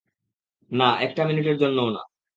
না, একটা মিনিটের জন্যও না!